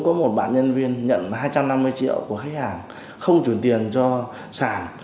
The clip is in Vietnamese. có một bạn nhân viên nhận hai trăm năm mươi triệu của khách hàng không chuyển tiền cho sản